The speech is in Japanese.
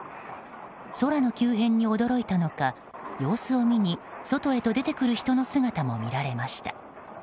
空の急変に驚いたのか様子を見に外へと出てくる人の姿も見られました。